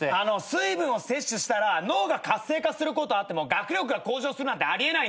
水分を摂取したら脳が活性化することはあっても学力が向上するなんてあり得ないんですよ。